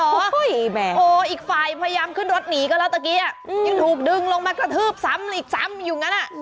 โอ้โหอีกฝ่ายพยายามขึ้นรถหนีก็แล้วตะกี้ยังถูกดึงลงมากระทืบซ้ำอีกซ้ำอยู่งั้นอ่ะ